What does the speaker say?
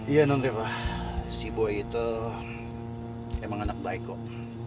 iya nonreva si boy itu emang anak baik kok